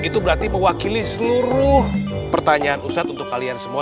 itu berarti mewakili seluruh pertanyaan ustadz untuk kalian semua